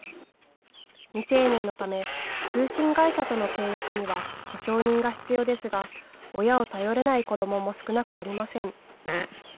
未成年のため通信会社との契約には保証人が必要ですが親を頼れない子どもも少なくありません。